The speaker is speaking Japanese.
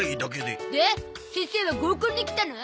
で先生は合コンに来たの？